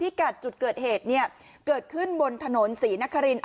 กัดจุดเกิดเหตุเนี่ยเกิดขึ้นบนถนนศรีนคริน